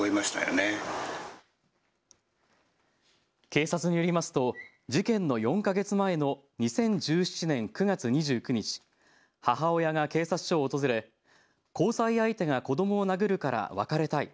警察によりますと事件の４か月前の２０１７年９月２９日、母親が警察署を訪れ交際相手が子どもを殴るから別れたい。